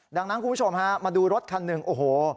ดังนั้นคุณผู้ชมฮะมาดูรถคันหนึ่งโอ้โห